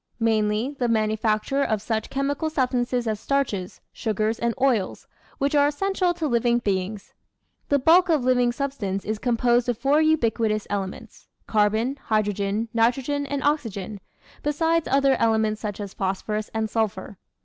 Mainly the manufacture of such chemical substances as starches, sugars, and oils, which are essential to living beings. The bulk of living substance is composed of four ubiquitous elements carbon, hydrogen, nitro gen, and oxygen besides other elements such as phosphorus and sulphur.